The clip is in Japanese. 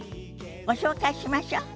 ご紹介しましょ。